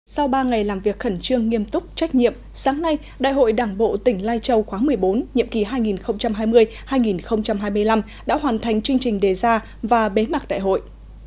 sau ba ngày làm việc khẩn trương nghiêm túc trách nhiệm sáng nay đại hội đảng bộ tỉnh lai châu khóa một mươi bốn nhiệm kỳ hai nghìn hai mươi hai nghìn hai mươi năm đã hoàn thành chương trình đề ra và bế mạc đại hội